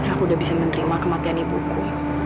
aku udah bisa menerima kematian ibu ku